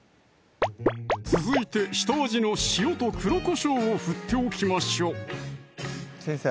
続いて下味の塩と黒こしょうを振っておきましょう先生